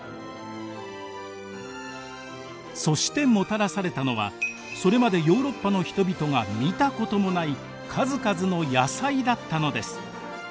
そしてもたらされたのはそれまでヨーロッパの人々が見たこともない数々の野菜だったのです。